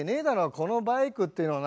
このバイクっていうのはな